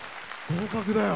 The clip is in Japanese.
合格だよ。